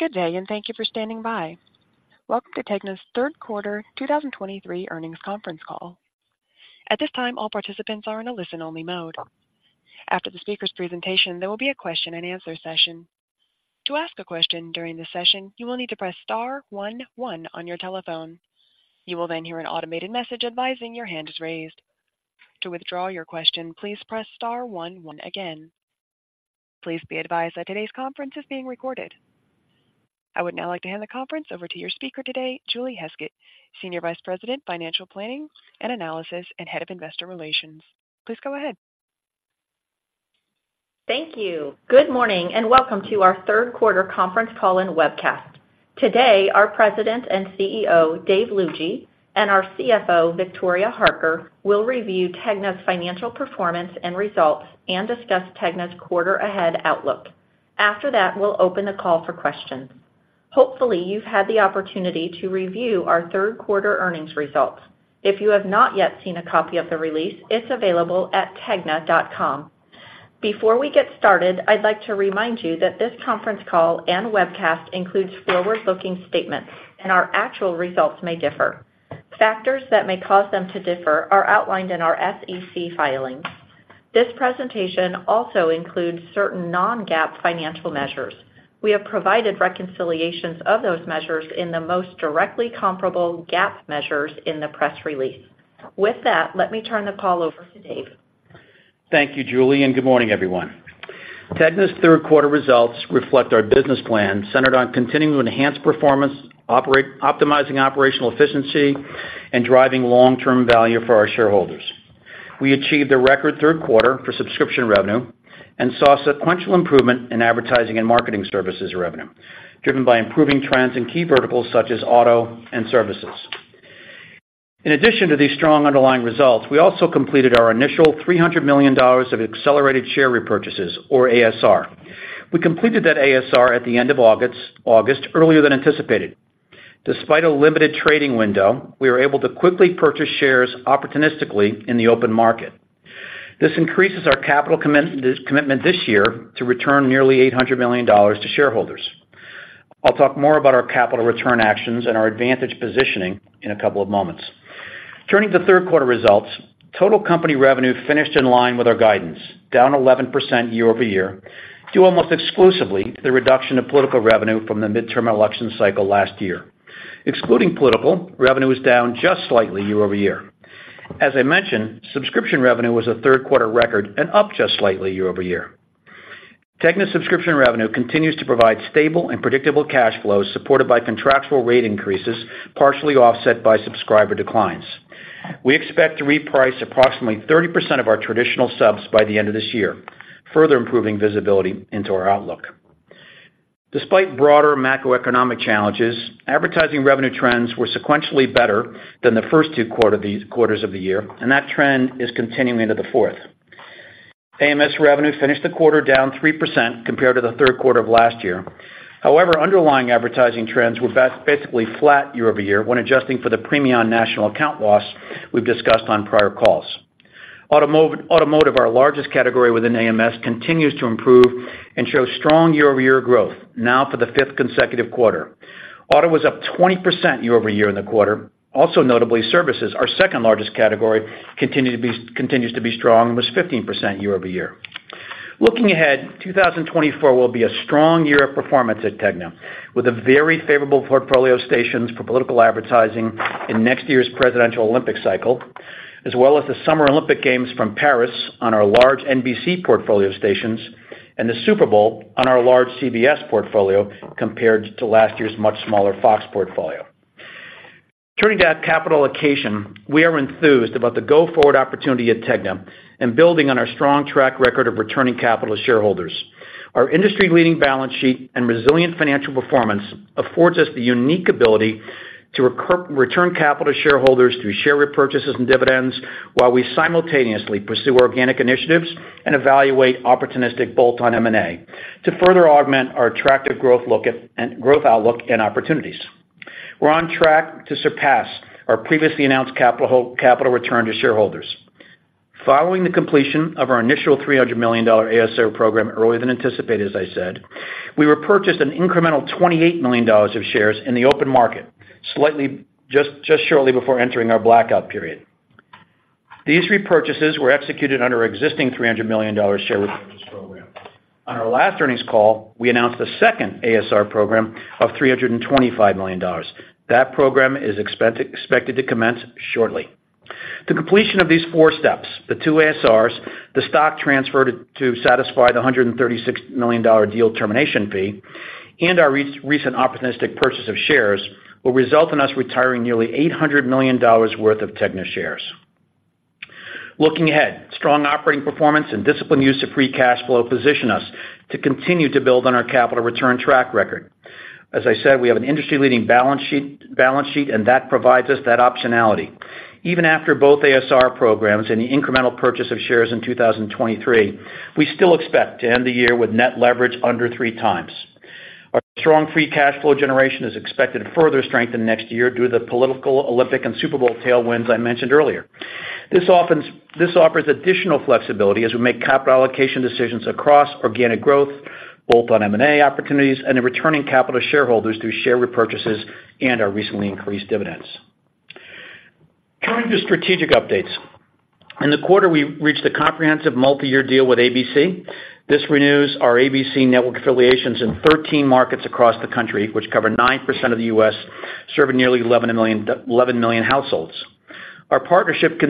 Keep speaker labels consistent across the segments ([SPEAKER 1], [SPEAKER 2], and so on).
[SPEAKER 1] Good day, and thank you for standing by. Welcome to TEGNA's Third Quarter 2023 Earnings Conference Call. At this time, all participants are in a listen-only mode. After the speaker's presentation, there will be a question-and-answer session. To ask a question during the session, you will need to press star one one on your telephone. You will then hear an automated message advising your hand is raised. To withdraw your question, please press star one one again. Please be advised that today's conference is being recorded. I would now like to hand the conference over to your speaker today, Julie Heskett, Senior Vice President, Financial Planning and Analysis, and Head of Investor Relations. Please go ahead.
[SPEAKER 2] Thank you. Good morning, and welcome to our third quarter conference call and webcast. Today, our President and CEO, Dave Lougee, and our CFO, Victoria Harker, will review TEGNA's financial performance and results and discuss TEGNA's quarter-ahead outlook. After that, we'll open the call for questions. Hopefully, you've had the opportunity to review our third quarter earnings results. If you have not yet seen a copy of the release, it's available at tegna.com. Before we get started, I'd like to remind you that this conference call and webcast includes forward-looking statements, and our actual results may differ. Factors that may cause them to differ are outlined in our SEC filings. This presentation also includes certain non-GAAP financial measures. We have provided reconciliations of those measures in the most directly comparable GAAP measures in the press release. With that, let me turn the call over to Dave.
[SPEAKER 3] Thank you, Julie, and good morning, everyone. TEGNA's third quarter results reflect our business plan, centered on continuing to enhance performance, optimizing operational efficiency, and driving long-term value for our shareholders. We achieved a record third quarter for subscription revenue and saw sequential improvement in advertising and marketing services revenue, driven by improving trends in key verticals such as auto and services. In addition to these strong underlying results, we also completed our initial $300 million of accelerated share repurchases, or ASR. We completed that ASR at the end of August earlier than anticipated. Despite a limited trading window, we were able to quickly purchase shares opportunistically in the open market. This increases our capital commitment this year to return nearly $800 million to shareholders. I'll talk more about our capital return actions and our advantage positioning in a couple of moments. Turning to third quarter results, total company revenue finished in line with our guidance, down 11% year-over-year, due almost exclusively to the reduction of political revenue from the midterm election cycle last year. Excluding political, revenue was down just slightly year-over-year. As I mentioned, subscription revenue was a third quarter record and up just slightly year-over-year. TEGNA's subscription revenue continues to provide stable and predictable cash flows, supported by contractual rate increases, partially offset by subscriber declines. We expect to reprice approximately 30% of our traditional subs by the end of this year, further improving visibility into our outlook. Despite broader macroeconomic challenges, advertising revenue trends were sequentially better than the first two quarters of the year, and that trend is continuing into the fourth. AMS revenue finished the quarter down 3% compared to the third quarter of last year. However, underlying advertising trends were basically flat year-over-year when adjusting for the Premion national account loss we've discussed on prior calls. Automotive, our largest category within AMS, continues to improve and show strong year-over-year growth, now for the fifth consecutive quarter. Auto was up 20% year-over-year in the quarter. Also notably, services, our second-largest category, continues to be strong and was 15% year-over-year. Looking ahead, 2024 will be a strong year of performance at TEGNA, with a very favorable portfolio of stations for political advertising in next year's presidential Olympic cycle, as well as the Summer Olympic Games from Paris on our large NBC portfolio of stations and the Super Bowl on our large CBS portfolio, compared to last year's much smaller Fox portfolio. Turning to our capital allocation, we are enthused about the go-forward opportunity at TEGNA and building on our strong track record of returning capital to shareholders. Our industry-leading balance sheet and resilient financial performance affords us the unique ability to return capital to shareholders through share repurchases and dividends, while we simultaneously pursue organic initiatives and evaluate opportunistic bolt-on M&A to further augment our attractive growth outlook and opportunities. We're on track to surpass our previously announced capital return to shareholders. Following the completion of our initial $300 million ASR program earlier than anticipated, as I said, we repurchased an incremental $28 million of shares in the open market, just shortly before entering our blackout period. These repurchases were executed under our existing $300 million share repurchase program. On our last earnings call, we announced a second ASR program of $325 million. That program is expected to commence shortly. The completion of these four steps, the two ASRs, the stock transfer to satisfy the $136 million deal termination fee, and our recent opportunistic purchase of shares, will result in us retiring nearly $800 million worth of TEGNA shares. Looking ahead, strong operating performance and disciplined use of free cash flow position us to continue to build on our capital return track record. As I said, we have an industry-leading balance sheet, and that provides us that optionality. Even after both ASR programs and the incremental purchase of shares in 2023, we still expect to end the year with net leverage under 3x. Our strong free cash flow generation is expected to further strengthen next year due to the political, Olympic, and Super Bowl tailwinds I mentioned earlier. This offers additional flexibility as we make capital allocation decisions across organic growth, both on M&A opportunities and in returning capital to shareholders through share repurchases and our recently increased dividends. Coming to strategic updates. In the quarter, we reached a comprehensive multi-year deal with ABC. This renews our ABC network affiliations in 13 markets across the country, which cover 9% of the U.S., serving nearly 11 million households. Our partnership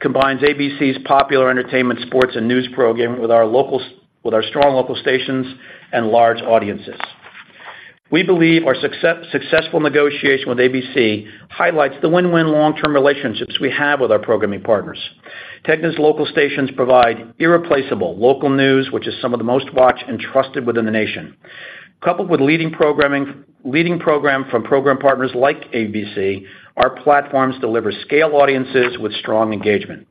[SPEAKER 3] combines ABC's popular entertainment, sports, and news programming with our strong local stations and large audiences. We believe our successful negotiation with ABC highlights the win-win long-term relationships we have with our programming partners. TEGNA's local stations provide irreplaceable local news, which is some of the most watched and trusted within the nation. Coupled with leading programming from program partners like ABC, our platforms deliver scale audiences with strong engagement.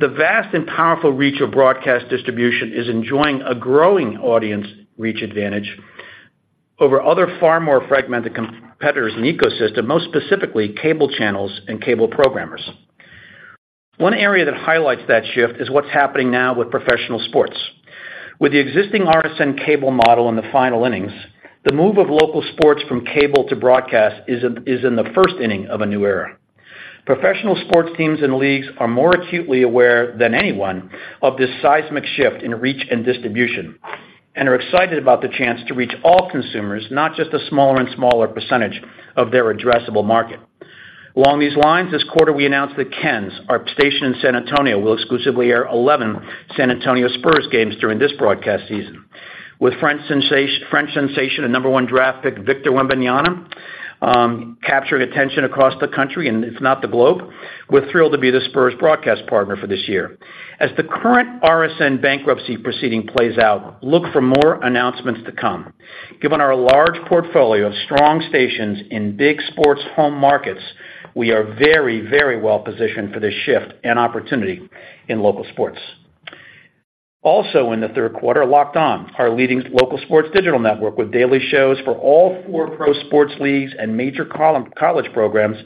[SPEAKER 3] The vast and powerful reach of broadcast distribution is enjoying a growing audience reach advantage over other, far more fragmented competitors in the ecosystem, most specifically, cable channels and cable programmers. One area that highlights that shift is what's happening now with professional sports. With the existing RSN cable model in the final innings, the move of local sports from cable to broadcast is in the first inning of a new era. Professional sports teams and leagues are more acutely aware than anyone of this seismic shift in reach and distribution, and are excited about the chance to reach all consumers, not just a smaller and smaller percentage of their addressable market. Along these lines, this quarter, we announced that KENS, our station in San Antonio, will exclusively air 11 San Antonio Spurs games during this broadcast season. With French sensation and number one draft pick, Victor Wembanyama, capturing attention across the country, and if not the globe, we're thrilled to be the Spurs broadcast partner for this year. As the current RSN bankruptcy proceeding plays out, look for more announcements to come. Given our large portfolio of strong stations in big sports home markets, we are very, very well positioned for this shift and opportunity in local sports. Also, in the third quarter, Locked On, our leading local sports digital network, with daily shows for all four pro sports leagues and major college programs,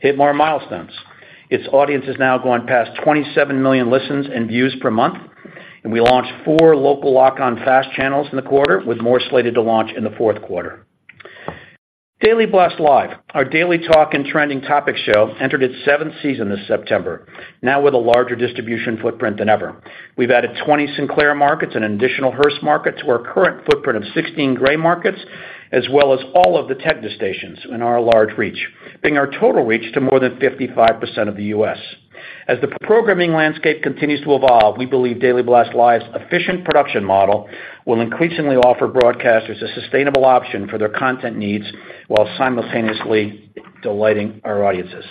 [SPEAKER 3] hit more milestones. Its audience has now gone past 27 million listens and views per month, and we launched four local Locked On FAST channels in the quarter, with more slated to launch in the fourth quarter. Daily Blast Live, our daily talk and trending topic show, entered its seventh season this September, now with a larger distribution footprint than ever. We've added 20 Sinclair markets and an additional Hearst market to our current footprint of 16 Gray markets, as well as all of the TEGNA stations in our large reach, bringing our total reach to more than 55% of the U.S. As the programming landscape continues to evolve, we believe Daily Blast Live's efficient production model will increasingly offer broadcasters a sustainable option for their content needs, while simultaneously delighting our audiences.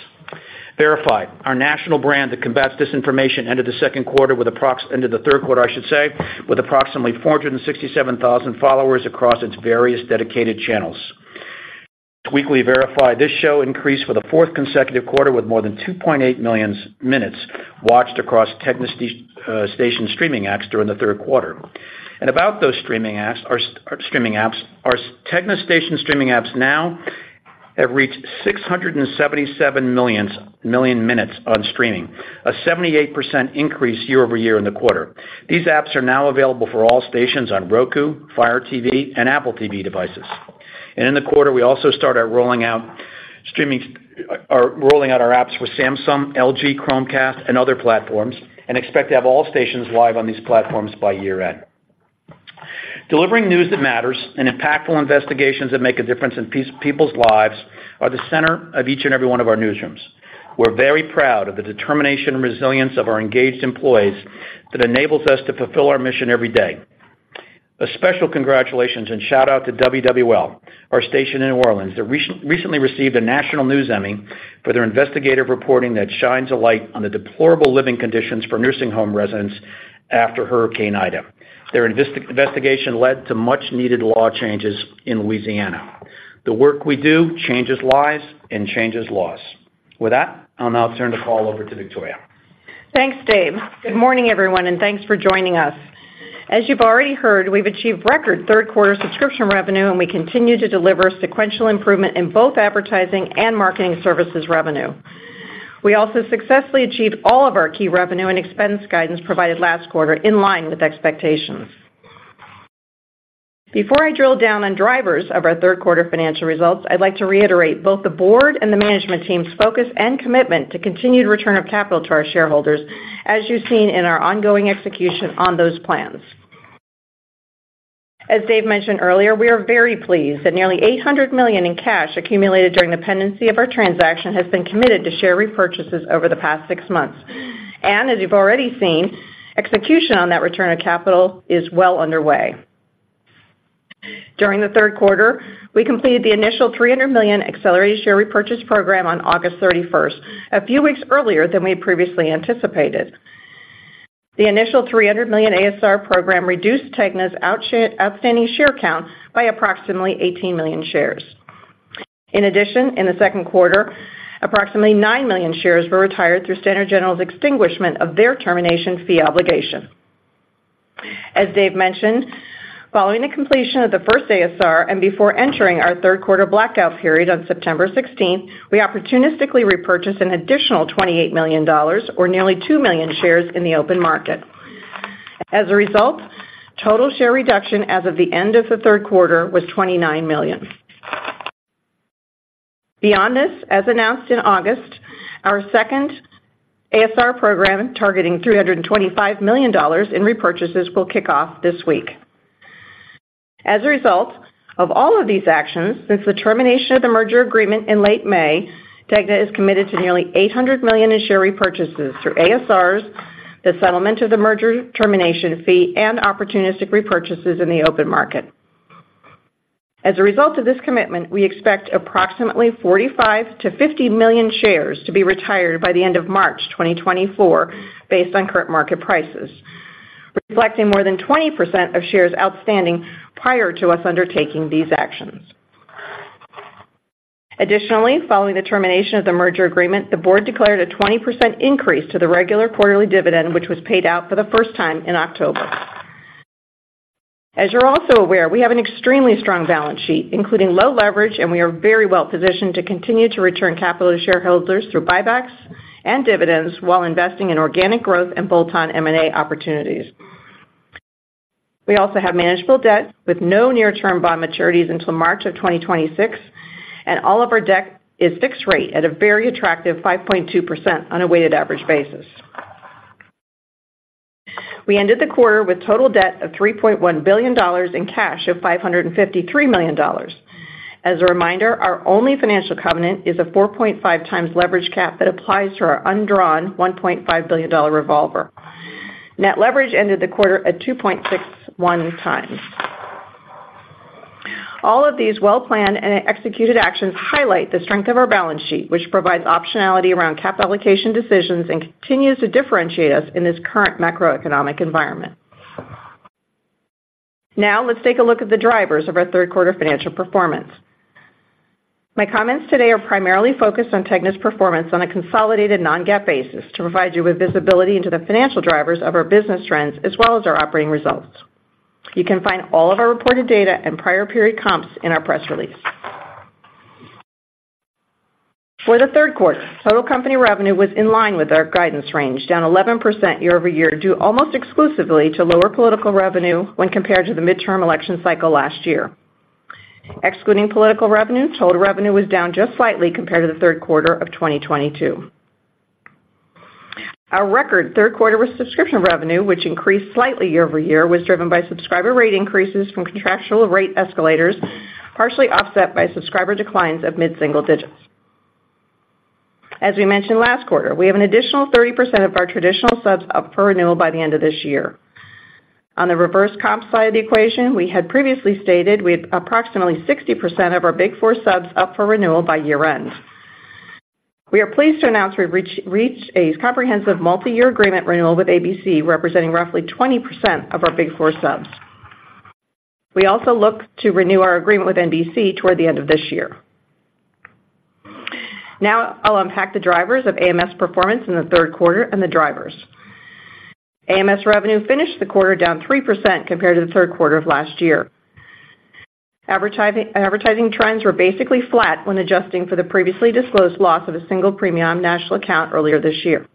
[SPEAKER 3] VERIFY, our national brand that combats disinformation, ended the third quarter, I should say, with approximately 467,000 followers across its various dedicated channels. Weekly VERIFY, this show increased for the fourth consecutive quarter, with more than 2.8 million minutes watched across TEGNA's station streaming apps during the third quarter. About those streaming apps, our streaming apps, our TEGNA station streaming apps now have reached 677 million minutes on streaming, a 78% increase year-over-year in the quarter. These apps are now available for all stations on Roku, Fire TV, and Apple TV devices. In the quarter, we also started rolling out streaming, rolling out our apps with Samsung, LG, Chromecast, and other platforms, and expect to have all stations live on these platforms by year-end. Delivering news that matters and impactful investigations that make a difference in people's lives are the center of each and every one of our newsrooms. We're very proud of the determination and resilience of our engaged employees that enables us to fulfill our mission every day. A special congratulations and shout-out to WWL, our station in New Orleans, that recently received a national news Emmy for their investigative reporting that shines a light on the deplorable living conditions for nursing home residents after Hurricane Ida. Their investigation led to much-needed law changes in Louisiana. The work we do changes lives and changes laws. With that, I'll now turn the call over to Victoria.
[SPEAKER 4] Thanks, Dave. Good morning, everyone, and thanks for joining us. As you've already heard, we've achieved record third quarter subscription revenue, and we continue to deliver sequential improvement in both advertising and marketing services revenue. We also successfully achieved all of our key revenue and expense guidance provided last quarter in line with expectations. Before I drill down on drivers of our third quarter financial results, I'd like to reiterate both the board and the management team's focus and commitment to continued return of capital to our shareholders, as you've seen in our ongoing execution on those plans. As Dave mentioned earlier, we are very pleased that nearly $800 million in cash accumulated during the pendency of our transaction has been committed to share repurchases over the past six months. And as you've already seen, execution on that return of capital is well underway. During the third quarter, we completed the initial $300 million accelerated share repurchase program on August 31st, a few weeks earlier than we previously anticipated. The initial $300 million ASR program reduced TEGNA's outstanding share count by approximately 18 million shares. In addition, in the second quarter, approximately 9 million shares were retired through Standard General's extinguishment of their termination fee obligation. As Dave mentioned, following the completion of the first ASR and before entering our third quarter blackout period on September 16, we opportunistically repurchased an additional $28 million or nearly 2 million shares in the open market. As a result, total share reduction as of the end of the third quarter was 29 million. Beyond this, as announced in August, our second ASR program, targeting $325 million in repurchases, will kick off this week. As a result of all of these actions, since the termination of the merger agreement in late May, TEGNA is committed to nearly $800 million in share repurchases through ASRs, the settlement of the merger termination fee, and opportunistic repurchases in the open market. As a result of this commitment, we expect approximately 45 million-50 million shares to be retired by the end of March 2024, based on current market prices, reflecting more than 20% of shares outstanding prior to us undertaking these actions. Additionally, following the termination of the merger agreement, the board declared a 20% increase to the regular quarterly dividend, which was paid out for the first time in October. As you're also aware, we have an extremely strong balance sheet, including low leverage, and we are very well positioned to continue to return capital to shareholders through buybacks and dividends while investing in organic growth and bolt-on M&A opportunities. We also have manageable debt with no near-term bond maturities until March 2026, and all of our debt is fixed rate at a very attractive 5.2% on a weighted average basis. We ended the quarter with total debt of $3.1 billion and cash of $553 million. As a reminder, our only financial covenant is a 4.5x leverage cap that applies to our undrawn $1.5 billion revolver. Net leverage ended the quarter at 2.61 times. All of these well-planned and executed actions highlight the strength of our balance sheet, which provides optionality around capital allocation decisions and continues to differentiate us in this current macroeconomic environment. Now, let's take a look at the drivers of our third quarter financial performance. My comments today are primarily focused on TEGNA's performance on a consolidated non-GAAP basis to provide you with visibility into the financial drivers of our business trends as well as our operating results. You can find all of our reported data and prior period comps in our press release. For the third quarter, total company revenue was in line with our guidance range, down 11% year-over-year, due almost exclusively to lower political revenue when compared to the midterm election cycle last year. Excluding political revenue, total revenue was down just slightly compared to the third quarter of 2022. Our record third quarter with subscription revenue, which increased slightly year-over-year, was driven by subscriber rate increases from contractual rate escalators, partially offset by subscriber declines of mid-single digits. As we mentioned last quarter, we have an additional 30% of our traditional subs up for renewal by the end of this year. On the reverse comp side of the equation, we had previously stated we had approximately 60% of our Big Four subs up for renewal by year-end. We are pleased to announce we've reached a comprehensive multiyear agreement renewal with ABC, representing roughly 20% of our Big Four subs. We also look to renew our agreement with NBC toward the end of this year. Now, I'll unpack the drivers of AMS performance in the third quarter and the drivers. AMS revenue finished the quarter down 3% compared to the third quarter of last year. Advertising trends were basically flat when adjusting for the previously disclosed loss of a single Premion national account earlier this year.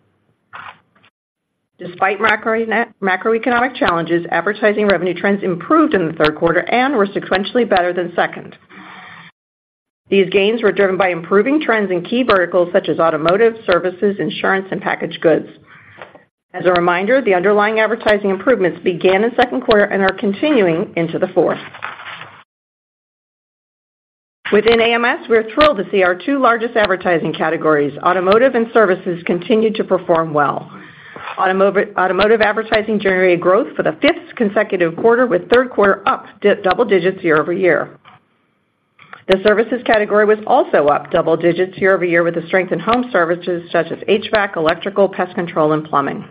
[SPEAKER 4] Despite macroeconomic challenges, advertising revenue trends improved in the third quarter and were sequentially better than second. These gains were driven by improving trends in key verticals such as automotive, services, insurance, and packaged goods. As a reminder, the underlying advertising improvements began in second quarter and are continuing into the fourth. Within AMS, we're thrilled to see our two largest advertising categories, automotive and services, continue to perform well. Automotive advertising generated growth for the fifth consecutive quarter, with third quarter up double digits year-over-year. The services category was also up double digits year-over-year, with a strength in home services such as HVAC, electrical, pest control, and plumbing.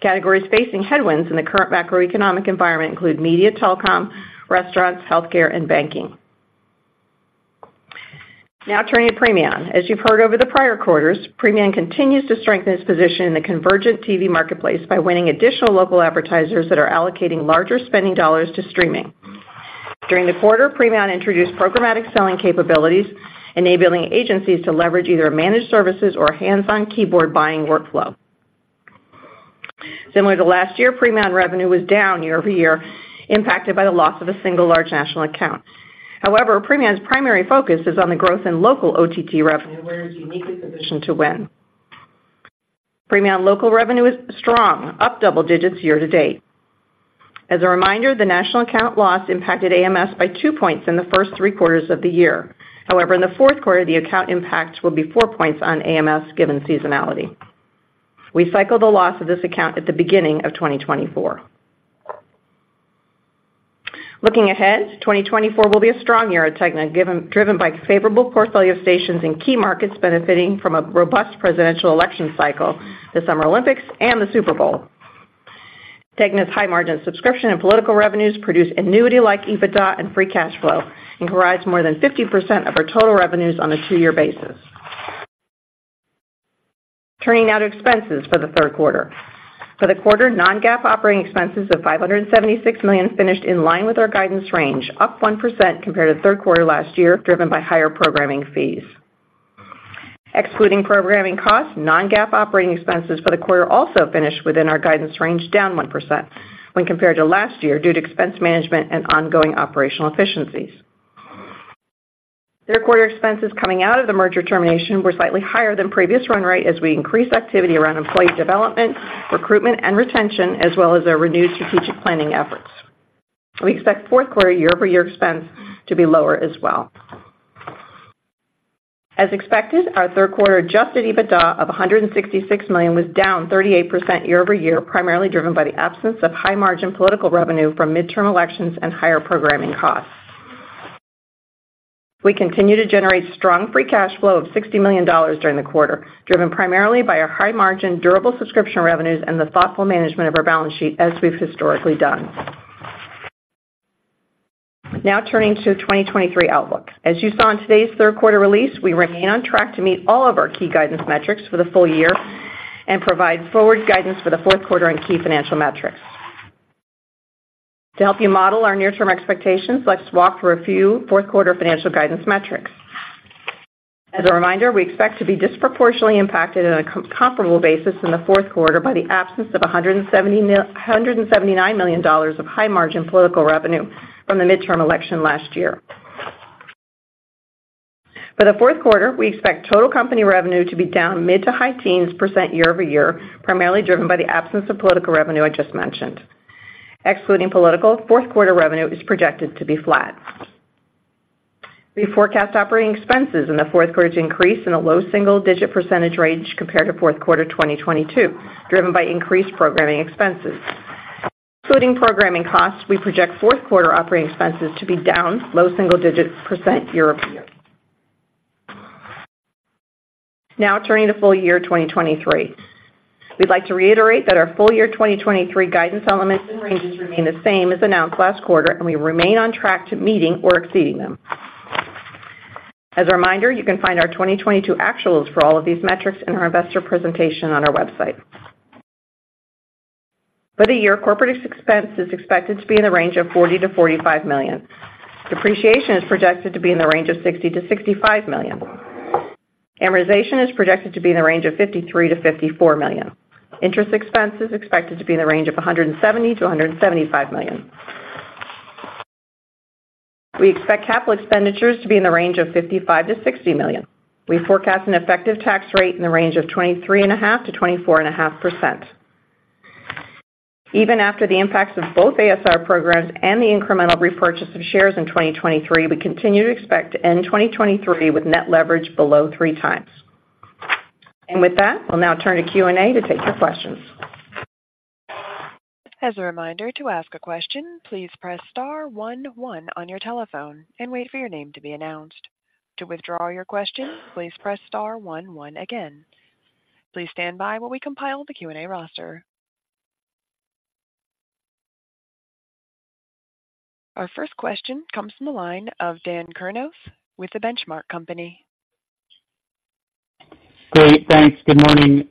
[SPEAKER 4] Categories facing headwinds in the current macroeconomic environment include media, telecom, restaurants, healthcare, and banking. Now turning to Premion. As you've heard over the prior quarters, Premion continues to strengthen its position in the convergent TV marketplace by winning additional local advertisers that are allocating larger spending dollars to streaming. During the quarter, Premion introduced programmatic selling capabilities, enabling agencies to leverage either a managed services or hands-on keyboard buying workflow. Similar to last year, Premion revenue was down year-over-year, impacted by the loss of a single large national account. However, Premion's primary focus is on the growth in local OTT revenue, where it's uniquely positioned to win. Premion local revenue is strong, up double digits year to date. As a reminder, the national account loss impacted AMS by two points in the first three quarters of the year. However, in the fourth quarter, the account impact will be four points on AMS, given seasonality. We cycle the loss of this account at the beginning of 2024. Looking ahead, 2024 will be a strong year at TEGNA, given, driven by favorable portfolio stations in key markets, benefiting from a robust presidential election cycle, the Summer Olympics, and the Super Bowl. TEGNA's high-margin subscription and political revenues produce annuity-like EBITDA and free cash flow and comprise more than 50% of our total revenues on a two-year basis. Turning now to expenses for the third quarter. For the quarter, non-GAAP operating expenses of $576 million finished in line with our guidance range, up 1% compared to third quarter last year, driven by higher programming fees. Excluding programming costs, non-GAAP operating expenses for the quarter also finished within our guidance range, down 1% when compared to last year due to expense management and ongoing operational efficiencies. Third quarter expenses coming out of the merger termination were slightly higher than previous run rate as we increased activity around employee development, recruitment, and retention, as well as our renewed strategic planning efforts. We expect fourth quarter year-over-year expense to be lower as well. As expected, our third quarter adjusted EBITDA of $166 million was down 38% year-over-year, primarily driven by the absence of high-margin political revenue from midterm elections and higher programming costs. We continue to generate strong free cash flow of $60 million during the quarter, driven primarily by our high-margin durable subscription revenues and the thoughtful management of our balance sheet, as we've historically done. Now turning to the 2023 outlook. As you saw in today's third quarter release, we remain on track to meet all of our key guidance metrics for the full year and provide forward guidance for the fourth quarter and key financial metrics. To help you model our near-term expectations, let's walk through a few fourth quarter financial guidance metrics. As a reminder, we expect to be disproportionately impacted in a comparable basis in the fourth quarter by the absence of $179 million of high-margin political revenue from the midterm election last year. For the fourth quarter, we expect total company revenue to be down mid- to high-teens% year-over-year, primarily driven by the absence of political revenue I just mentioned. Excluding political, fourth quarter revenue is projected to be flat. We forecast operating expenses in the fourth quarter to increase in a low single-digit % range compared to fourth quarter 2022, driven by increased programming expenses. Excluding programming costs, we project fourth quarter operating expenses to be down low single-digit % year-over-year. Now turning to full year 2023. We'd like to reiterate that our full year 2023 guidance elements and ranges remain the same as announced last quarter, and we remain on track to meeting or exceeding them. As a reminder, you can find our 2022 actuals for all of these metrics in our investor presentation on our website. For the year, corporate expense is expected to be in the range of $40 million-$45 million. Depreciation is projected to be in the range of $60 million-$65 million. Amortization is projected to be in the range of $53 million-$54 million. Interest expense is expected to be in the range of $170 million-$175 million. We expect capital expenditures to be in the range of $55 million-$60 million. We forecast an effective tax rate in the range of 23.5%-24.5%. Even after the impacts of both ASR programs and the incremental repurchase of shares in 2023, we continue to expect to end 2023 with net leverage below 3x. With that, we'll now turn to Q&A to take your questions.
[SPEAKER 1] As a reminder, to ask a question, please press star one, one on your telephone and wait for your name to be announced. To withdraw your question, please press star one, one again. Please stand by while we compile the Q&A roster. Our first question comes from the line of Dan Kurnos with The Benchmark Company.
[SPEAKER 5] Great, thanks. Good morning,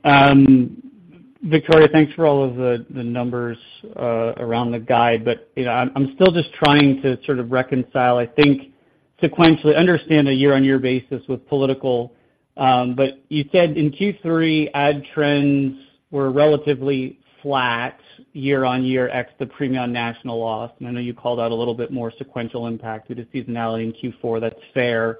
[SPEAKER 5] Victoria, thanks for all of the numbers around the guide, but, you know, I'm still just trying to sort of reconcile, I think, sequentially, understand a year-on-year basis with political. But you said in Q3, ad trends were relatively flat year-on-year ex the Premion National loss, and I know you called out a little bit more sequential impact due to seasonality in Q4. That's fair.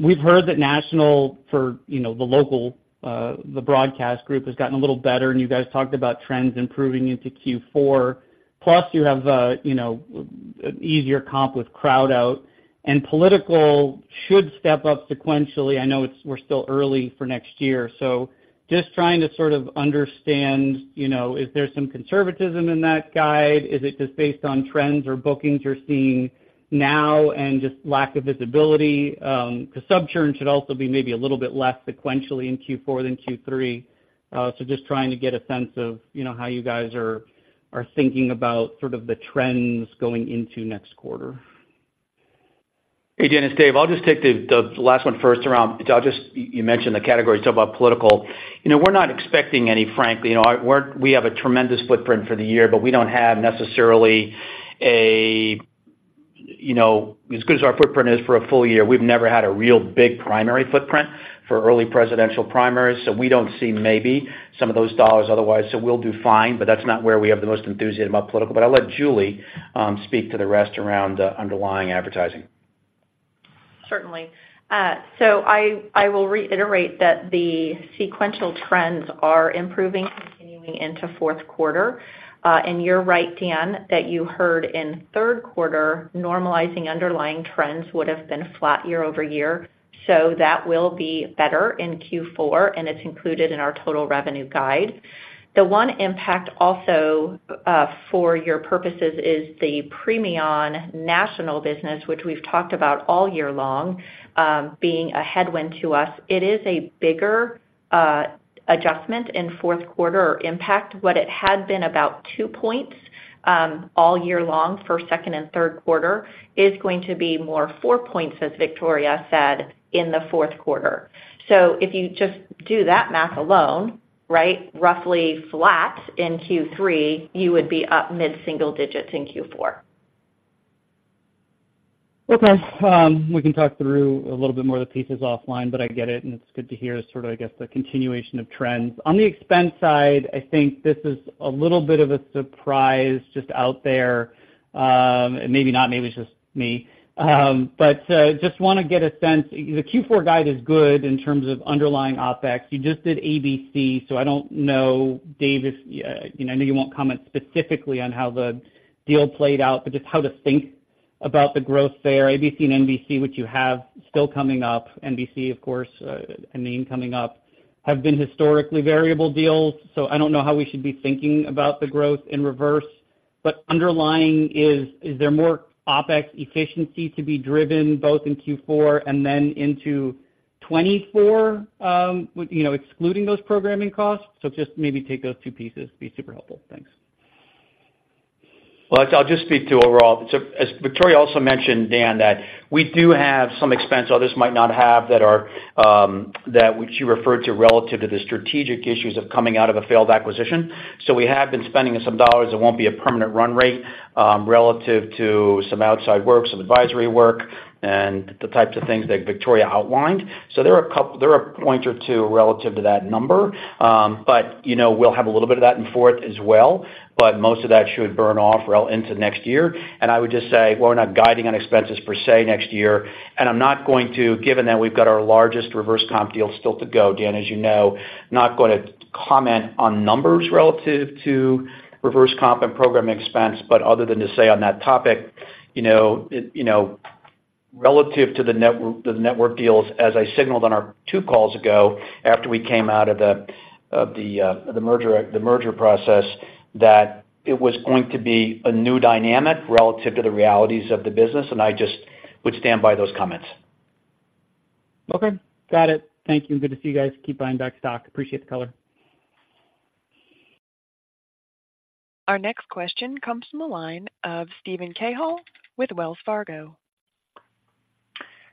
[SPEAKER 5] We've heard that national for, you know, the local, the broadcast group has gotten a little better, and you guys talked about trends improving into Q4. Plus, you have, you know, easier comp with crowd out, and political should step up sequentially. I know it's- we're still early for next year. So just trying to sort of understand, you know, is there some conservatism in that guide? Is it just based on trends or bookings you're seeing now and just lack of visibility? Because sub churn should also be maybe a little bit less sequentially in Q4 than Q3. So just trying to get a sense of, you know, how you guys are, are thinking about sort of the trends going into next quarter.
[SPEAKER 3] Hey, Dan, it's Dave. I'll just take the last one first around... I'll just, you mentioned the categories, talk about political. You know, we're not expecting any, frankly, you know, we're- we have a tremendous footprint for the year, but we don't have necessarily a, you know, as good as our footprint is for a full year, we've never had a real big primary footprint for early presidential primaries, so we don't see maybe some of those dollars otherwise. So we'll do fine, but that's not where we have the most enthusiasm about political. But I'll let Julie speak to the rest around the underlying advertising.
[SPEAKER 2] Certainly. So I will reiterate that the sequential trends are improving, continuing into fourth quarter. And you're right, Dan, that you heard in third quarter, normalizing underlying trends would have been flat year over year. So that will be better in Q4, and it's included in our total revenue guide. The one impact also, for your purposes, is the Premion national business, which we've talked about all year long, being a headwind to us. It is a bigger,... adjustment in fourth quarter or impact what it had been about 2 points, all year long, first, second and third quarter, is going to be more 4 points, as Victoria said, in the fourth quarter. So if you just do that math alone, right, roughly flat in Q3, you would be up mid-single digits in Q4.
[SPEAKER 5] Okay. We can talk through a little bit more of the pieces offline, but I get it, and it's good to hear sort of, I guess, the continuation of trends. On the expense side, I think this is a little bit of a surprise just out there, maybe not, maybe it's just me. But just want to get a sense. The Q4 guide is good in terms of underlying OpEx. You just did ABC, so I don't know, Dave, if you know, I know you won't comment specifically on how the deal played out, but just how to think about the growth there. ABC and NBC, which you have still coming up. NBC, of course, I mean, coming up, have been historically variable deals, so I don't know how we should be thinking about the growth in reverse. But underlying is, is there more OpEx efficiency to be driven, both in Q4 and then into 2024, you know, excluding those programming costs? So just maybe take those two pieces, be super helpful. Thanks.
[SPEAKER 3] Well, I'll just speak to overall. So as Victoria also mentioned, Dan, that we do have some expense others might not have that are, that which you referred to, relative to the strategic issues of coming out of a failed acquisition. So we have been spending some dollars that won't be a permanent run rate, relative to some outside work, some advisory work and the types of things that Victoria outlined. So there are a point or two relative to that number. But, you know, we'll have a little bit of that in fourth as well, but most of that should burn off well into next year. I would just say we're not guiding on expenses per se, next year. I'm not going to, given that we've got our largest reverse comp deal still to go, Dan, as you know, not going to comment on numbers relative to reverse comp and program expense, but other than to say on that topic, you know, it, you know, relative to the network deals, as I signaled on our two calls ago, after we came out of the merger process, that it was going to be a new dynamic relative to the realities of the business, and I just would stand by those comments.
[SPEAKER 5] Okay, got it. Thank you. Good to see you guys. Keep buying back stock. Appreciate the color.
[SPEAKER 1] Our next question comes from the line of Steven Cahall with Wells Fargo.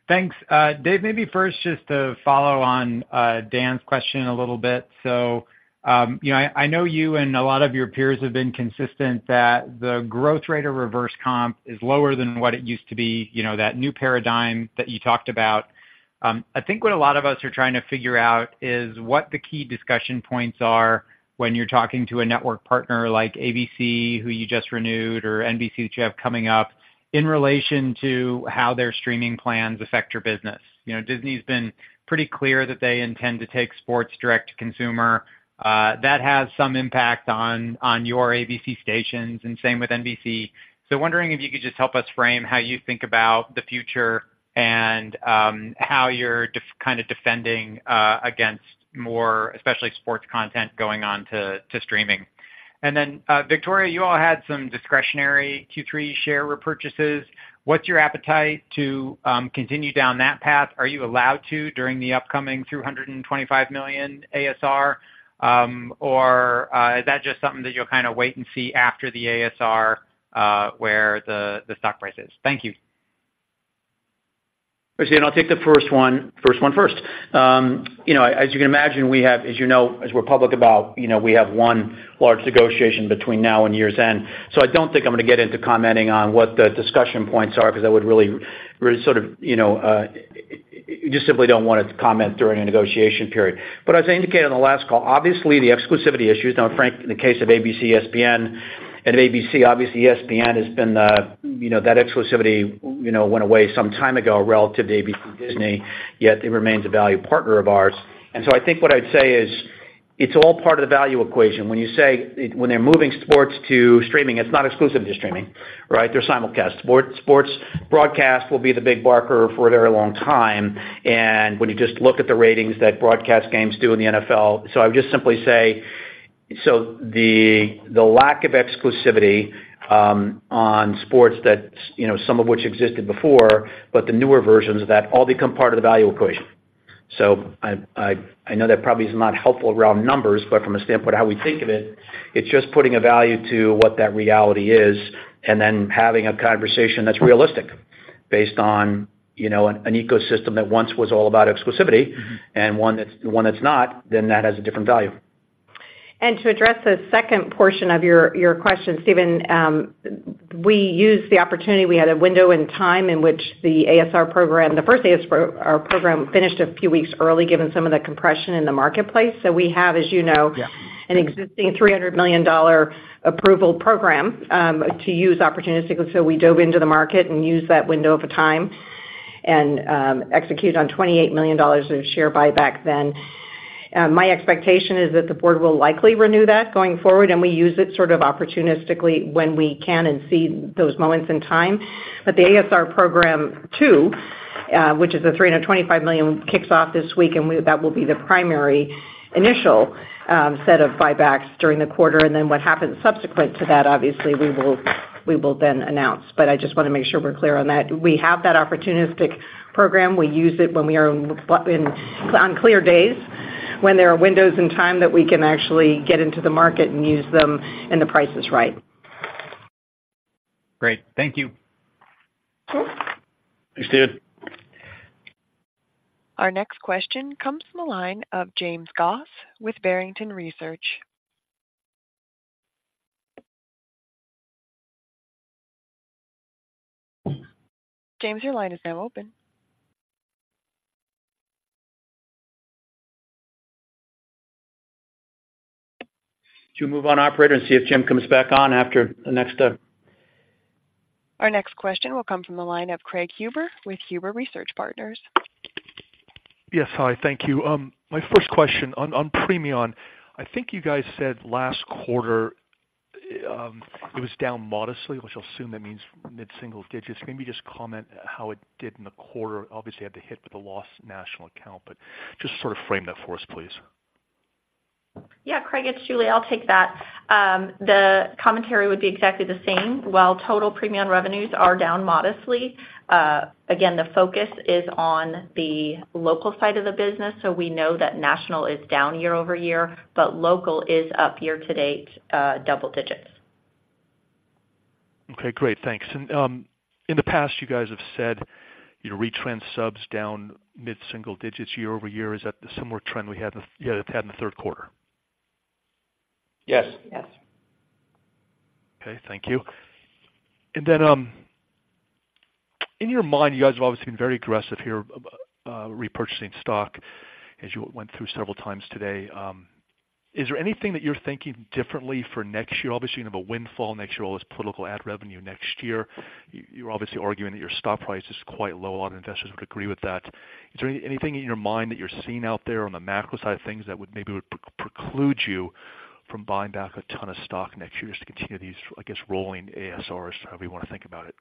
[SPEAKER 6] Thanks. Dave, maybe first, just to follow on Dan's question a little bit. So, you know, I know you and a lot of your peers have been consistent that the growth rate of reverse comp is lower than what it used to be, you know, that new paradigm that you talked about. I think what a lot of us are trying to figure out is what the key discussion points are when you're talking to a network partner like ABC, who you just renewed, or NBC, which you have coming up, in relation to how their streaming plans affect your business. You know, Disney's been pretty clear that they intend to take sports direct to consumer. That has some impact on your ABC stations, and same with NBC. So wondering if you could just help us frame how you think about the future and, how you're kind of defending against more, especially sports content going on to streaming. And then, Victoria, you all had some discretionary Q3 share repurchases. What's your appetite to continue down that path? Are you allowed to during the upcoming $225 million ASR, or is that just something that you'll kind of wait and see after the ASR, where the stock price is? Thank you.
[SPEAKER 3] So I'll take the first one, first one first. You know, as you can imagine, we have as you know, as we're public about, you know, we have one large negotiation between now and year's end. So I don't think I'm going to get into commenting on what the discussion points are, because that would really, really sort of, you know, just simply don't want to comment during a negotiation period. But as I indicated on the last call, obviously the exclusivity issues, now, Frank, in the case of ABC, ESPN and ABC, obviously ESPN has been the, you know, that exclusivity, you know, went away some time ago relative to ABC Disney, yet it remains a value partner of ours. And so I think what I'd say is, it's all part of the value equation. When you say when they're moving sports to streaming, it's not exclusive to streaming, right? They're simulcast. Sports broadcast will be the big barker for a very long time. And when you just look at the ratings that broadcast games do in the NFL. So I would just simply say, so the lack of exclusivity on sports that you know some of which existed before, but the newer versions of that all become part of the value equation. So I know that probably is not helpful around numbers, but from a standpoint of how we think of it, it's just putting a value to what that reality is, and then having a conversation that's realistic based on you know an ecosystem that once was all about exclusivity and one that's not, then that has a different value.
[SPEAKER 4] To address the second portion of your question, Steven, we used the opportunity. We had a window in time in which the ASR program, the first ASR, our program finished a few weeks early, given some of the compression in the marketplace. So we have, as you know-
[SPEAKER 3] Yeah...
[SPEAKER 4] an existing $300 million approval program to use opportunistically. So we dove into the market and used that window of a time and executed on $28 million of share buyback then. My expectation is that the board will likely renew that going forward, and we use it sort of opportunistically when we can and see those moments in time. But the ASR program two, which is the $325 million, kicks off this week, and that will be the primary initial set of buybacks during the quarter, and then what happens subsequent to that, obviously, we will then announce. But I just want to make sure we're clear on that. We have that opportunistic program. We use it when we are in, on clear days, when there are windows in time that we can actually get into the market and use them, and the price is right.
[SPEAKER 5] Great. Thank you.
[SPEAKER 4] Sure.
[SPEAKER 3] Thanks, David.
[SPEAKER 1] Our next question comes from the line of James Goss with Barrington Research. James, your line is now open.
[SPEAKER 3] Could you move on, operator, and see if Jim comes back on after the next?
[SPEAKER 1] Our next question will come from the line of Craig Huber with Huber Research Partners.
[SPEAKER 7] Yes. Hi, thank you. My first question on Premion, I think you guys said last quarter, it was down modestly, which I'll assume that means mid-single digits. Maybe just comment how it did in the quarter, obviously had to hit with the lost national account, but just sort of frame that for us, please.
[SPEAKER 2] Yeah, Craig, it's Julie. I'll take that. The commentary would be exactly the same. While total Premion revenues are down modestly, again, the focus is on the local side of the business, so we know that national is down year-over-year, but local is up year-to-date, double digits.
[SPEAKER 7] Okay, great. Thanks. And, in the past, you guys have said, you know, retrans subs down mid-single digits, year-over-year. Is that the similar trend you had in the third quarter?
[SPEAKER 3] Yes.
[SPEAKER 2] Yes.
[SPEAKER 7] Okay, thank you. And then, in your mind, you guys have obviously been very aggressive here, repurchasing stock, as you went through several times today. Is there anything that you're thinking differently for next year? Obviously, you have a windfall next year, all this political ad revenue next year. You're obviously arguing that your stock price is quite low. A lot of investors would agree with that. Is there anything in your mind that you're seeing out there on the macro side of things that would maybe preclude you from buying back a ton of stock next year just to continue these, I guess, rolling ASRs, however you want to think about it?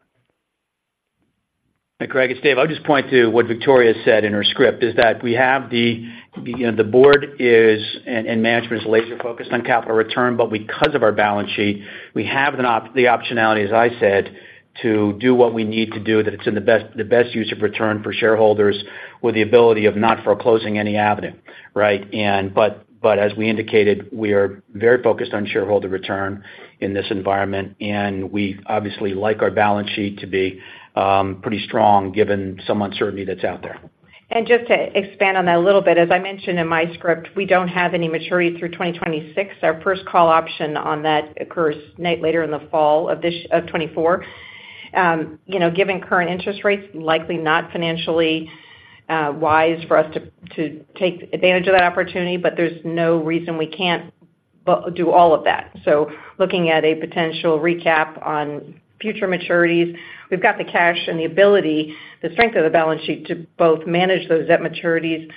[SPEAKER 3] Hey, Craig, it's Dave. I'll just point to what Victoria said in her script, is that we have the, you know, the board is, and management is laser-focused on capital return, but because of our balance sheet, we have the optionality, as I said, to do what we need to do, that it's in the best, the best use of return for shareholders with the ability of not foreclosing any avenue, right? But as we indicated, we are very focused on shareholder return in this environment, and we obviously like our balance sheet to be pretty strong given some uncertainty that's out there.
[SPEAKER 4] And just to expand on that a little bit, as I mentioned in my script, we don't have any maturity through 2026. Our first call option on that occurs later in the fall of this, of 2024. You know, given current interest rates, likely not financially wise for us to take advantage of that opportunity, but there's no reason we can't do all of that. So looking at a potential recap on future maturities, we've got the cash and the ability, the strength of the balance sheet to both manage those debt maturities,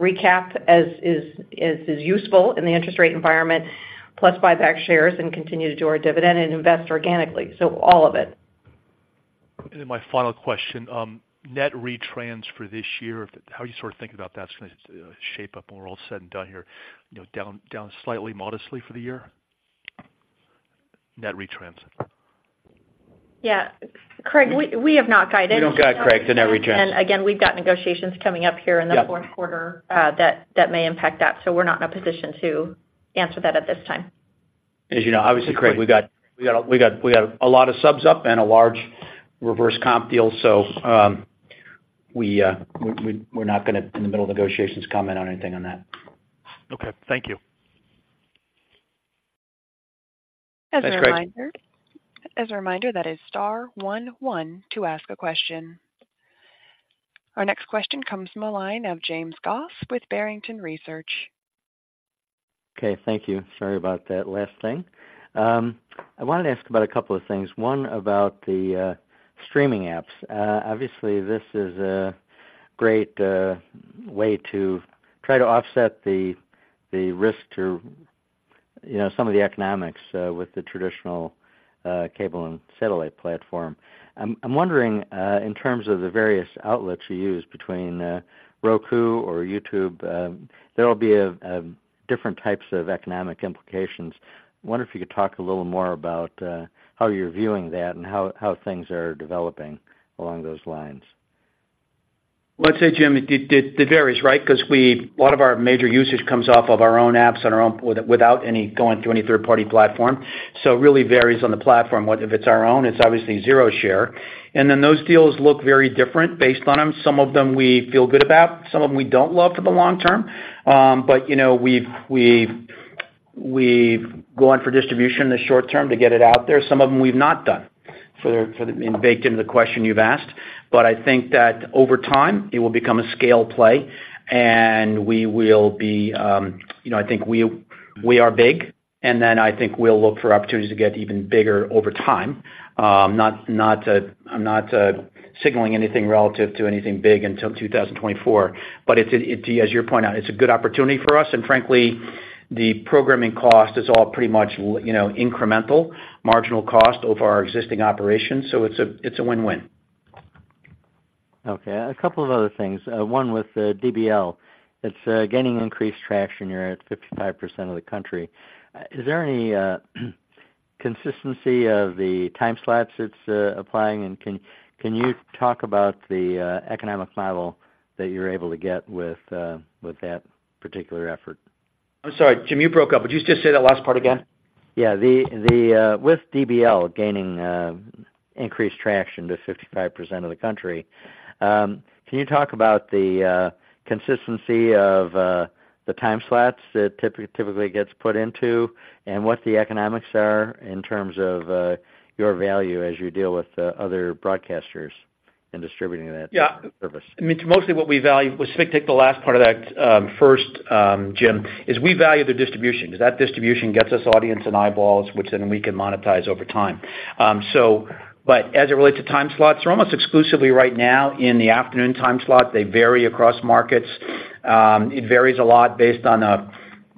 [SPEAKER 4] recap as is, as is useful in the interest rate environment, plus buy back shares and continue to do our dividend and invest organically. So all of it.
[SPEAKER 7] Then my final question, net retrans for this year, how are you sort of thinking about that's gonna shape up when we're all said and done here, you know, down, down slightly modestly for the year? Net retrans.
[SPEAKER 2] Yeah, Craig, we have not guided.
[SPEAKER 3] We don't guide, Craig, the net retrans.
[SPEAKER 2] And again, we've got negotiations coming up here in the-
[SPEAKER 3] Yeah...
[SPEAKER 2] fourth quarter, that, that may impact that. So we're not in a position to answer that at this time.
[SPEAKER 3] As you know, obviously, Craig, we got a lot of subs up and a large reverse comp deal, so we're not gonna, in the middle of negotiations, comment on anything on that.
[SPEAKER 7] Okay, thank you.
[SPEAKER 3] Thanks, Craig.
[SPEAKER 1] As a reminder, that is star one one to ask a question. Our next question comes from the line of James Goss with Barrington Research.
[SPEAKER 8] Okay, thank you. Sorry about that last thing. I wanted to ask about a couple of things. One, about the streaming apps. Obviously, this is a great way to try to offset the, the risk to, you know, some of the economics with the traditional cable and satellite platform. I'm, I'm wondering in terms of the various outlets you use between Roku or YouTube, there will be different types of economic implications. I wonder if you could talk a little more about how you're viewing that and how, how things are developing along those lines.
[SPEAKER 3] Well, I'd say, Jim, it varies, right? Because a lot of our major usage comes off of our own apps on our own, without any going through any third-party platform. So it really varies on the platform. What if it's our own, it's obviously zero share. And then those deals look very different based on them. Some of them we feel good about, some of them we don't love for the long term. But you know, we've gone for distribution in the short term to get it out there. Some of them we've not done for the... and baked into the question you've asked. But I think that over time, it will become a scale play, and we will be, you know, I think we, we are big, and then I think we'll look for opportunities to get even bigger over time. Not, not, I'm not signaling anything relative to anything big until 2024, but it's, it, as you point out, it's a good opportunity for us, and frankly, the programming cost is all pretty much you know, incremental, marginal cost over our existing operations, so it's a, it's a win-win....
[SPEAKER 8] Okay, a couple of other things. One, with DBL, it's gaining increased traction. You're at 55% of the country. Is there any consistency of the time slots it's applying? And can you talk about the economic model that you're able to get with that particular effort?
[SPEAKER 3] I'm sorry, Jim, you broke up. Would you just say that last part again?
[SPEAKER 8] Yeah. The with DBL gaining increased traction to 55% of the country, can you talk about the consistency of the time slots it typically gets put into, and what the economics are in terms of your value as you deal with other broadcasters in distributing that?
[SPEAKER 3] Yeah
[SPEAKER 8] -service?
[SPEAKER 3] I mean, mostly what we value, we should take the last part of that first, Jim, is we value the distribution. That distribution gets us audience and eyeballs, which then we can monetize over time. So but as it relates to time slots, we're almost exclusively right now in the afternoon time slot. They vary across markets. It varies a lot based on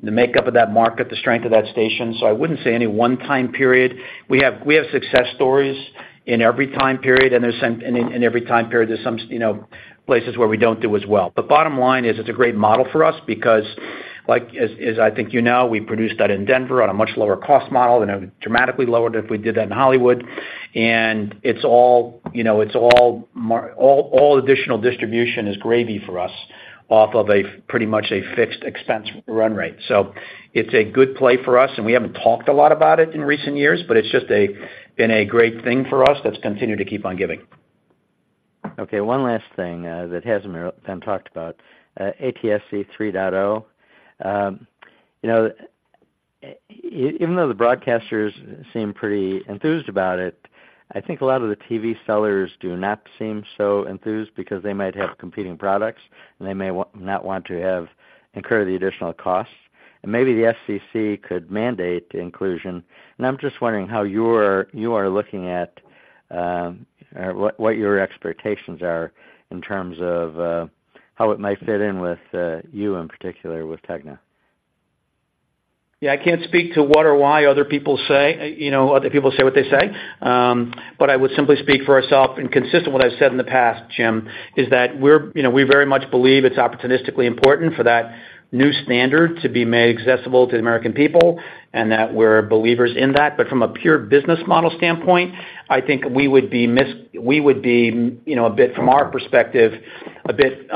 [SPEAKER 3] the makeup of that market, the strength of that station, so I wouldn't say any one time period. We have success stories in every time period, and there's some and in every time period, there's some, you know, places where we don't do as well. But bottom line is, it's a great model for us because, like, as I think you know, we produced that in Denver on a much lower cost model and dramatically lower than if we did that in Hollywood. And it's all, you know, it's all marginal—all additional distribution is gravy for us off of a pretty much a fixed expense run rate. So it's a good play for us, and we haven't talked a lot about it in recent years, but it's just been a great thing for us that's continued to keep on giving.
[SPEAKER 8] Okay, one last thing, that hasn't been talked about, ATSC 3.0. You know, even though the broadcasters seem pretty enthused about it, I think a lot of the TV sellers do not seem so enthused because they might have competing products, and they may not want to have, incur the additional costs. Maybe the FCC could mandate the inclusion. I'm just wondering how you're, you are looking at, or what, what your expectations are in terms of, how it might fit in with, you, in particular, with TEGNA.
[SPEAKER 3] Yeah, I can't speak to what or why other people say, you know, other people say what they say. But I would simply speak for ourself, and consistent with what I've said in the past, Jim, is that we're, you know, we very much believe it's opportunistically important for that new standard to be made accessible to the American people, and that we're believers in that. But from a pure business model standpoint, I think we would be we would be, you know, a bit, from our perspective, a bit,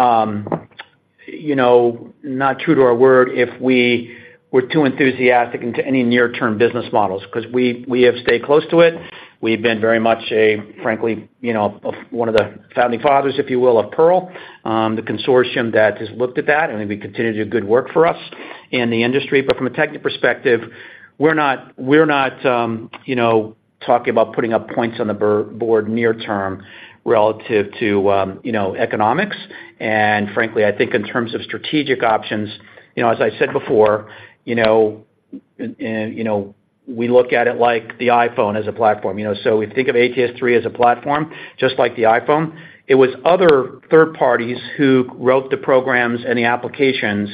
[SPEAKER 3] you know, not true to our word if we were too enthusiastic into any near-term business models, 'cause we, we have stayed close to it. We've been very much a, frankly, you know, of, one of the founding fathers, if you will, of Pearl, the consortium that just looked at that, and we continue to do good work for us in the industry. But from a technical perspective, we're not, you know, talking about putting up points on the board near term, relative to, you know, economics. And frankly, I think in terms of strategic options, you know, as I said before, you know, we look at it like the iPhone as a platform. You know, so we think of ATSC 3.0 as a platform, just like the iPhone. It was other third parties who wrote the programs and the applications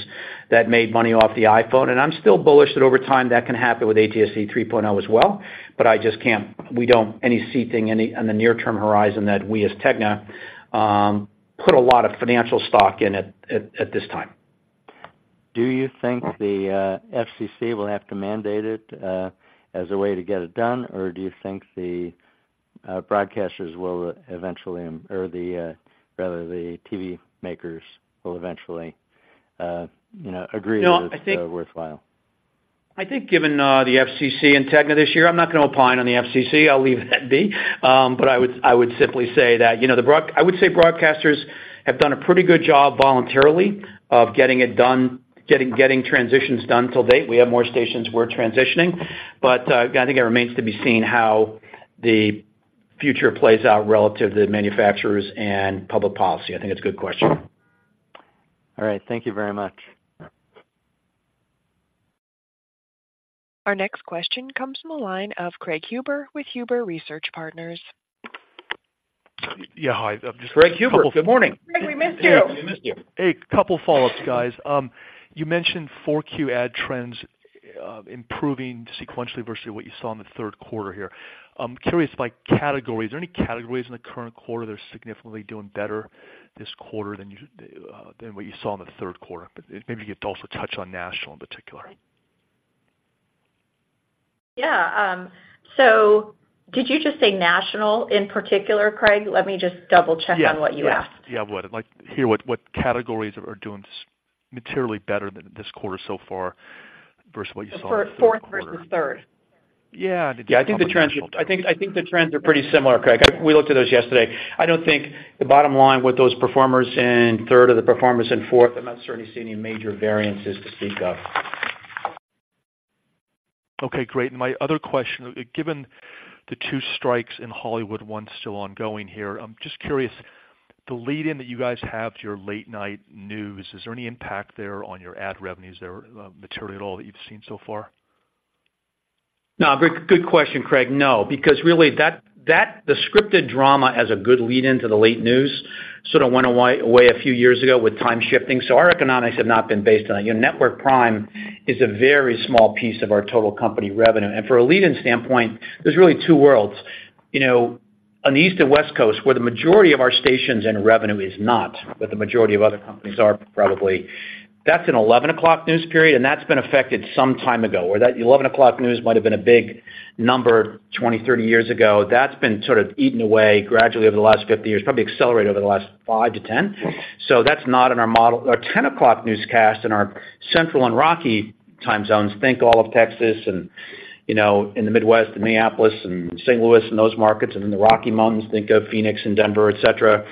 [SPEAKER 3] that made money off the iPhone, and I'm still bullish that over time, that can happen with ATSC 3.0 as well. But I just can't... We don't see anything on the near-term horizon that we as TEGNA put a lot of financial stock in at this time.
[SPEAKER 8] Do you think the FCC will have to mandate it as a way to get it done? Or do you think the broadcasters will eventually, or rather the TV makers will eventually, you know, agree-
[SPEAKER 3] No, I think-
[SPEAKER 8] that it's worthwhile?
[SPEAKER 3] I think given the FCC and TEGNA this year, I'm not gonna opine on the FCC. I'll leave that be. But I would simply say that, you know, broadcasters have done a pretty good job voluntarily of getting it done, getting transitions done to date. We have more stations we're transitioning, but I think it remains to be seen how the future plays out relative to the manufacturers and public policy. I think it's a good question.
[SPEAKER 8] All right. Thank you very much.
[SPEAKER 1] Our next question comes from the line of Craig Huber with Huber Research Partners.
[SPEAKER 7] Yeah, hi,
[SPEAKER 3] Craig Huber, good morning.
[SPEAKER 2] Craig, we miss you.
[SPEAKER 3] We miss you.
[SPEAKER 7] Hey, a couple follow-ups, guys. You mentioned Q4 ad trends improving sequentially versus what you saw in the third quarter here. I'm curious by category, are there any categories in the current quarter that are significantly doing better this quarter than what you saw in the third quarter? But maybe you could also touch on national in particular.
[SPEAKER 2] Yeah, so did you just say national in particular, Craig? Let me just double-check-
[SPEAKER 7] Yes
[SPEAKER 2] on what you asked.
[SPEAKER 7] Yeah, I would. I'd like to hear what categories are doing so materially better than this quarter so far versus what you saw in the third quarter.
[SPEAKER 2] The fourth versus third?
[SPEAKER 7] Yeah, the-
[SPEAKER 3] Yeah, I think the trends, I think, I think the trends are pretty similar, Craig. We looked at those yesterday. I don't think the bottom line with those performers in third or the performers in fourth. I'm not certainly seeing any major variances to speak of.
[SPEAKER 7] Okay, great. My other question, given the two strikes in Hollywood, one still ongoing here, I'm just curious, the lead-in that you guys have to your late-night news, is there any impact there on your ad revenues there, material that you've seen so far?
[SPEAKER 3] No. Good question, Craig. No, because really, that the scripted drama as a good lead-in to the late news sort of went away a few years ago with time shifting. So our economics have not been based on that. Your network prime is a very small piece of our total company revenue. And from a lead-in standpoint, there's really two worlds. You know, on the East and West Coast, where the majority of our stations and revenue is not, but the majority of other companies are probably, that's an 11:00 P.M. news period, and that's been affected some time ago. Where that 11:00 P.M. news might have been a big number 20, 30 years ago, that's been sort of eaten away gradually over the last 50 years, probably accelerated over the last 5-10. So that's not in our model. Our 10 o'clock newscast in our Central and Rocky time zones, think all of Texas and, you know, in the Midwest and Minneapolis and St. Louis and those markets, and in the Rocky Mountains, think of Phoenix and Denver, et cetera.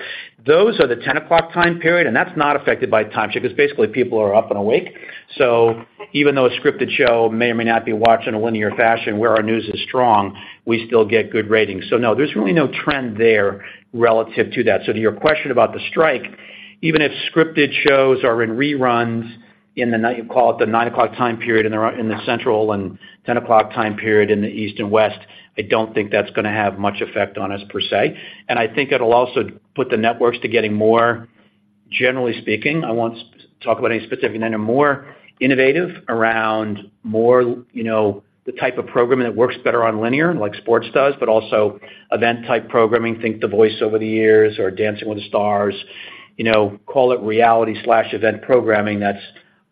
[SPEAKER 3] Those are the 10 o'clock time period, and that's not affected by time shift, because basically, people are up and awake. So even though a scripted show may or may not be watched in a linear fashion where our news is strong, we still get good ratings. So no, there's really no trend there relative to that. So to your question about the strike, even if scripted shows are in reruns in the night, you call it the 9 o'clock time period in the, in the Central and 10 o'clock time period in the East and West, I don't think that's gonna have much effect on us per se. I think it'll also put the networks to getting more, generally speaking, I won't talk about any specific, any more innovative around more, you know, the type of programming that works better on linear, like sports does, but also event-type programming. Think The Voice over the years, or Dancing with the Stars, you know, call it reality/event programming that's,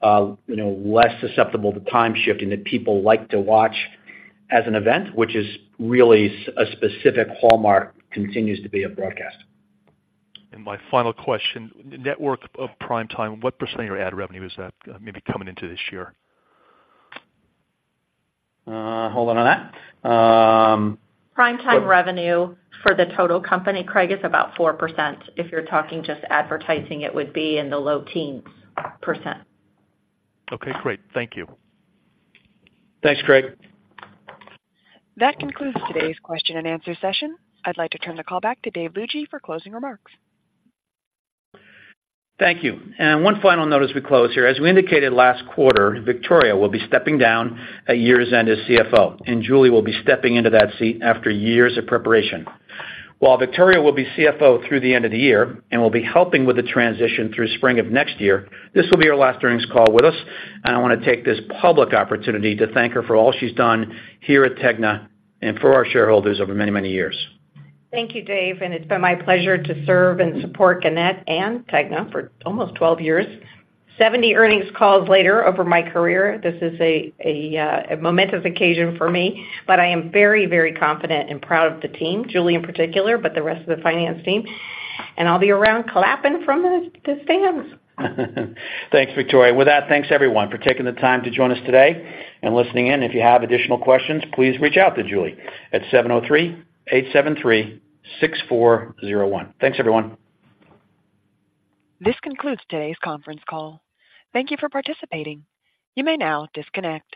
[SPEAKER 3] you know, less susceptible to time shifting, that people like to watch as an event, which is really a specific hallmark, continues to be a broadcast.
[SPEAKER 7] My final question, network of prime time, what % of your ad revenue is that, maybe coming into this year?
[SPEAKER 3] Hold on on that.
[SPEAKER 4] Prime time revenue for the total company, Craig, is about 4%. If you're talking just advertising, it would be in the low teens%.
[SPEAKER 7] Okay, great. Thank you.
[SPEAKER 3] Thanks, Craig.
[SPEAKER 1] That concludes today's question and answer session. I'd like to turn the call back to Dave Lougee for closing remarks.
[SPEAKER 3] Thank you. One final note as we close here. As we indicated last quarter, Victoria will be stepping down at year's end as CFO, and Julie will be stepping into that seat after years of preparation. While Victoria will be CFO through the end of the year and will be helping with the transition through spring of next year, this will be her last earnings call with us, and I wanna take this public opportunity to thank her for all she's done here at TEGNA and for our shareholders over many, many years.
[SPEAKER 4] Thank you, Dave, and it's been my pleasure to serve and support Gannett and TEGNA for almost 12 years. 70 earnings calls later over my career, this is a momentous occasion for me, but I am very, very confident and proud of the team, Julie in particular, but the rest of the finance team, and I'll be around clapping from the stands.
[SPEAKER 3] Thanks, Victoria. With that, thanks, everyone, for taking the time to join us today and listening in. If you have additional questions, please reach out to Julie at 703-873-6401. Thanks, everyone.
[SPEAKER 1] This concludes today's conference call. Thank you for participating. You may now disconnect.